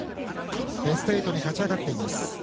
ベスト８に勝ち上がっています。